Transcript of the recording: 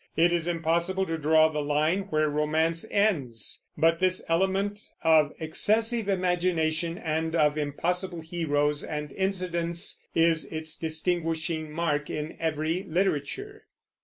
It is impossible to draw the line where romance ends; but this element of excessive imagination and of impossible heroes and incidents is its distinguishing mark in every literature.